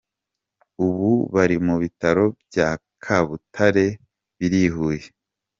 Ubu bari mu bitaro bya Kabutare biri i Huye.